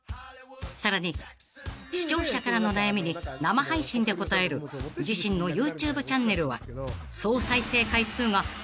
［さらに視聴者からの悩みに生配信で答える自身のＹｏｕＴｕｂｅチャンネルは］